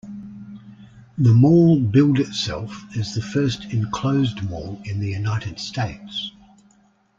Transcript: The mall billed itself as the first enclosed mall in the United States.